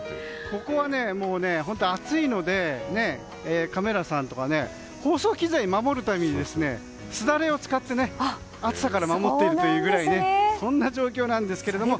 ここは本当に暑いのでカメラさんとか放送機材を守るためにすだれを使ってね暑さから守っているくらいそんな状況なんですが。